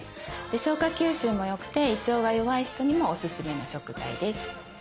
消化吸収も良くて胃腸が弱い人にもおすすめの食材です。